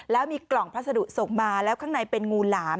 แล้วมีกล่องพัสดุส่งมาแล้วข้างในเป็นงูหลาม